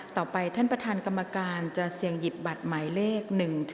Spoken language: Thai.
ต่อไปท่านประธานกรรมการจะเสี่ยงหยิบบัตรหมายเลข๑๗